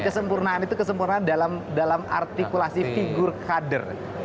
kesempurnaan itu kesempurnaan dalam artikulasi figur kader